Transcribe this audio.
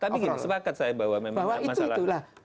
tapi begini sepakat saya bahwa memang masalah itu